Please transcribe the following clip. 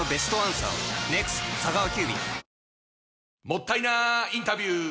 もったいなインタビュー！